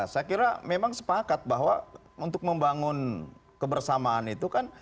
saya kira memang sepakat bahwa untuk membangun kebersamaan itu kan